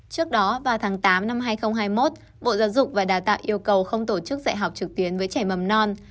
trước đó vào tháng tám năm hai nghìn hai mươi một bộ giáo dục và đào tạo yêu cầu không tổ chức dạy học trực tuyến với trẻ mầm non